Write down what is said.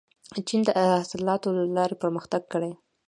چین د اصلاحاتو له لارې پرمختګ کړی.